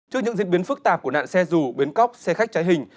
trước những diễn biến phức tạp của nạn xe rủ biến cóc xe khách trái hình